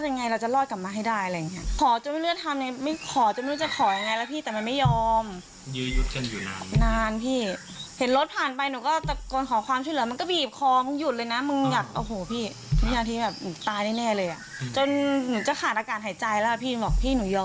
นอกจากนั้นก็มันก็ดึงเข้าป่าเลย